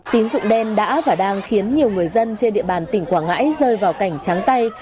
tín dụng đen đã và đang khiến nhiều người dân trên địa bàn tỉnh quảng ngãi rơi vào cảnh trắng tay